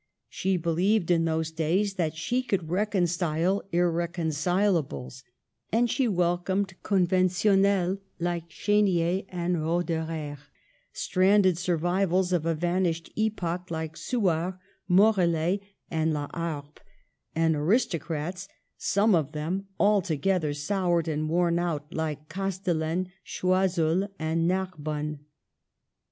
She believed in those days that she could recon cile Irreconcilables, and she welcomed Conven tionnels like Chinier and Roederer, stranded "survivals" of a vanished epoch like Suard, Morellet and Laharpe ; and aristocrats, some of them altogether soured and worn out, like Castel lane, Choiseul and Narbonne.